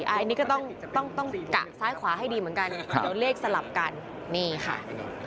อันนี้ก็ต้องกะซ้ายขวาให้ดีเหมือนกันเดี๋ยวเลขสลับกันนี่ค่ะ